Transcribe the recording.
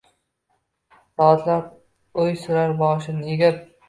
Soatlab o’y surar boshini egib…